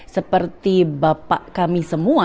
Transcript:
seperti bapak kami semua